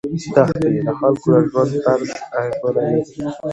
دښتې د خلکو د ژوند طرز اغېزمنوي.